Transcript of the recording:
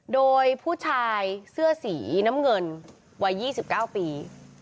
โดยผู้ชายเสื้อสีน้ำเงินวัยยี่สิบเก้าปี